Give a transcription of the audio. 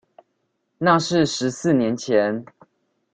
那是十四年前